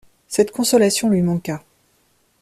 Cette consolation lui manqua.